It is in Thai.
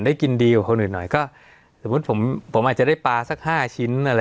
ได้กินดีกว่าคนอื่นหน่อยก็สมมุติผมผมอาจจะได้ปลาสักห้าชิ้นอะไร